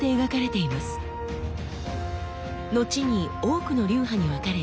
のちに多くの流派に分かれ